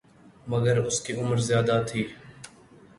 مگر اس کی عمر زیادہ تھی